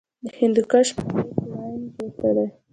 د هندوکش فالټ لاین چیرته دی؟